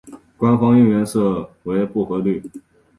官方应援色为薄荷绿。